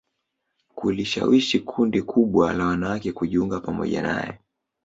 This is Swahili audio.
kulishawishi kundi kubwa la wanawake kujiunga pamoja naye